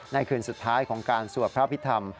คืนสุดท้ายของการสวดพระพิธรรม